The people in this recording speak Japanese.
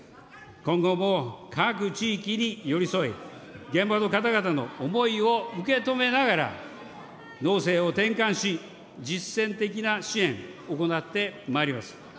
今後も各地域に寄り添い、現場の方々の思いを受け止めながら、農政を転換し、実践的な支援を行ってまいります。